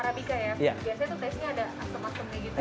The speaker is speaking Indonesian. biasanya tuh tesnya ada semacam semacam gitu ya